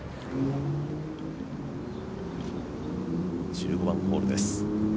１５番ホールです。